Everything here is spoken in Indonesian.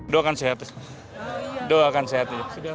doakan sehat doakan sehat